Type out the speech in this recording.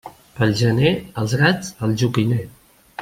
Pel gener els gats al joquiner.